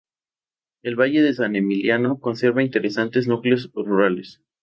El valle de San Emiliano conserva interesantes núcleos rurales.